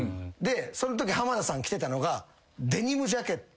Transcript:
そのとき浜田さん着てたのが。